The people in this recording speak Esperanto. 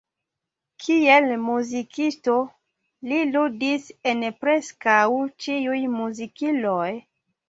Kiel muzikisto, li ludis en preskaŭ ĉiuj muzikiloj.